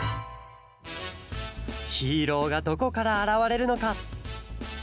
ヒーローがどこからあらわれるのか？